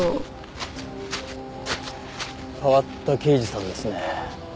変わった刑事さんですね。